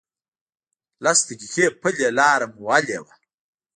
لس دقیقې پلی لاره مو وهلې وه.